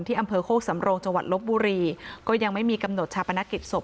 อำเภอโคกสำโรงจังหวัดลบบุรีก็ยังไม่มีกำหนดชาปนกิจศพ